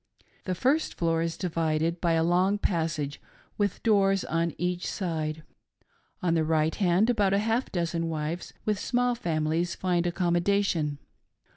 The first floor is divided by a long passage with doors on each side. On the right hand, about half a dozen wives with small fami lies find accommodation.